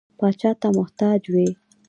پاچا ته محتاج وي.